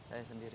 iya saya sendiri